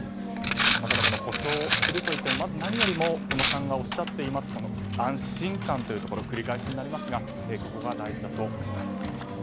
ただ、補償するといってもまず何よりも小野さんがおっしゃっています安心感というところ繰り返しになりますがここが大事だと思います。